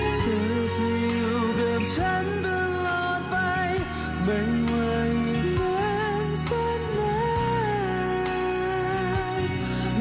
เธอจะอยู่กับฉันตลอดไปไม่ว่าอีกนานสักนาน